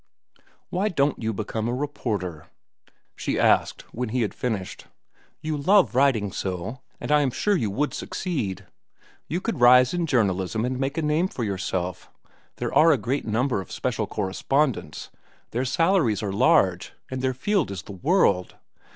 "Why don't you become a reporter?" she asked when he had finished. "You love writing so, and I am sure you would succeed. You could rise in journalism and make a name for yourself. There are a number of great special correspondents. Their salaries are large, and their field is the world.